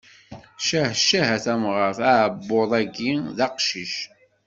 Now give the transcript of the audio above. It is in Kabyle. Ccah ccah a tamɣart, aɛebbuḍ-agi d aqcic.